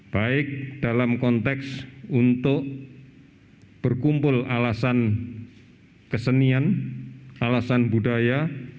baik dalam konteks untuk berkumpul alasan kesenian alasan budaya